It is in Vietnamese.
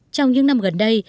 trong những năm gần đây